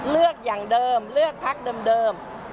เลือกอย่างเดิมเลือกพักเดิม